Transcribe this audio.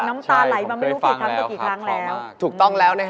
น้ำตาลหลายมาไม่รู้กี่คำกับกี่คำแล้ว